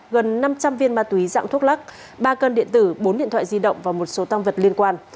gần năm trăm linh viên ma túy dạng thuốc lắc ba cân điện tử bốn điện thoại di động và một số tăng vật liên quan